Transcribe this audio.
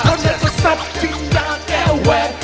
เพราะเนื้อจะทรัพย์ที่ยาแก้แหวน